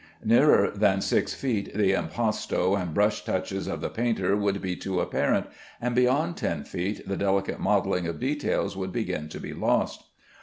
Nearer than six feet the impasto and brush touches of the painter would be too apparent, and beyond ten feet the delicate modelling of details would begin to be lost.